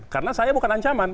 karena saya bukan ancaman